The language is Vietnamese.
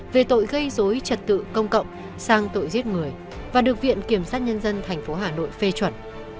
về tội gây dối trật tự công cộng sang tội giết người và được viện kiểm sát nhân dân tp hà nội phê chuẩn